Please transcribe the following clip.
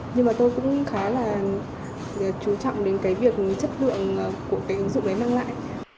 nhưng mà tôi cũng khá là chú trọng đến cái việc chất lượng của cái ứng dụng đấy mang lại